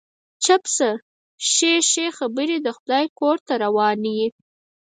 چپ شه، ښې ښې خبرې د خدای کور ته روانه يې.